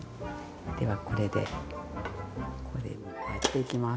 ではこれでこれにやっていきます。